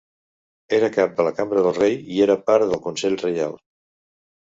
Era cap de la Cambra del rei i era part del Consell Reial.